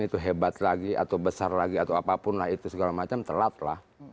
itu hebat lagi atau besar lagi atau apapun lah itu segala macam telat lah